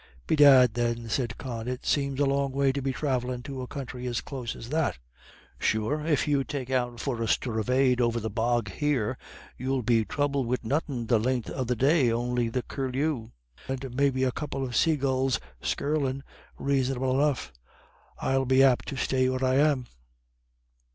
"Bedad, then," said Con, "it seems a long way to be thravellin' to a counthry as close as that. Sure, if you take out for a stravade over the bog here, you'll be throubled wid nothin' the len'th of the day on'y the curlew, or maybe a couple of saygulls skirlin' raisonable enough. I'll be apt to stay where I am."